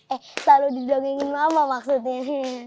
eh selalu didongengin mama maksudnya